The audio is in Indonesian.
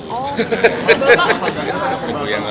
oh minggu yang lalu